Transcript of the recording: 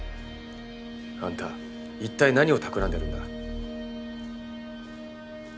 あんた一体何を企んでるんだ？